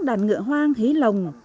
đàn ngựa hoang hí lồng